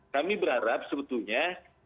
kami berharap sebetulnya